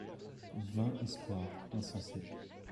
Vain espoir, insensé.